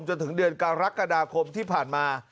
จนถึงเดือนกรกฎาคมที่ผ่านมา